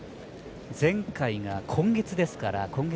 前回が今月上旬ですから。